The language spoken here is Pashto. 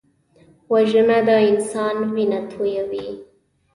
وژنه د انسان وینه تویوي